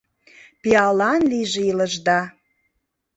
Пиалан лийже илышда